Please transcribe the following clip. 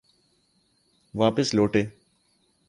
واپس لوٹے۔